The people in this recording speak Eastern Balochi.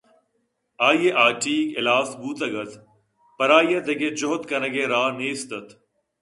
آئی ءِ ہاٹیگ ہلاس بوتگ اَت پر آئی ءَدگہ جہد کنگ ءِ راہے نیست اَت